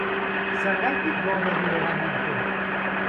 Zergatik gorde du orain arte?